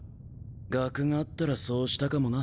学があったらそうしたかもな。